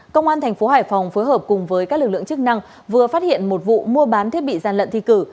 công an thành phố hải phòng phối hợp cùng với các lực lượng chức năng vừa phát hiện một vụ mua bán thiết bị gian lận thi cử